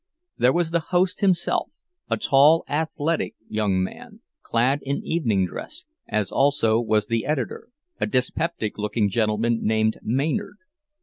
There was the host himself, a tall, athletic young man, clad in evening dress, as also was the editor, a dyspeptic looking gentleman named Maynard.